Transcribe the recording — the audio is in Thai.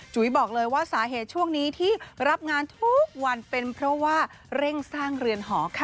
บอกเลยว่าสาเหตุช่วงนี้ที่รับงานทุกวันเป็นเพราะว่าเร่งสร้างเรือนหอค่ะ